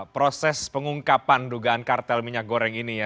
proses pengungkapan dugaan kartel minyak goreng ini ya